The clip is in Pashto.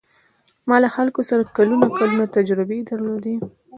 ما له خلکو سره کلونه کلونه تجربې درلودې.